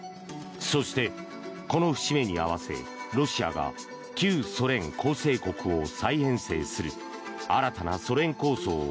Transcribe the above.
そして、この節目に合わせロシアが旧ソ連構成国を再編成する新たなソ連構想を